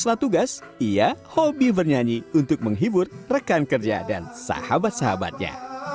setelah tugas ia hobi bernyanyi untuk menghibur rekan kerja dan sahabat sahabatnya